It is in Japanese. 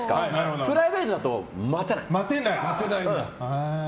プライベートだと待たない。